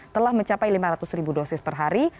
telah mencapai lima ratus ribu dosis per hari